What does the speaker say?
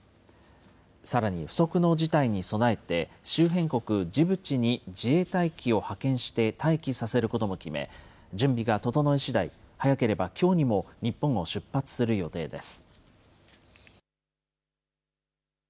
さらに不測の事態に備えて、周辺国ジブチに自衛隊機を派遣して待機させることも決め、準備が整いしだい、早ければきょうにも日本を出発する予定です。